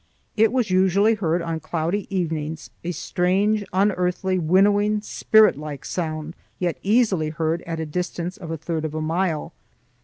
It was usually heard on cloudy evenings, a strange, unearthly, winnowing, spiritlike sound, yet easily heard at a distance of a third of a mile.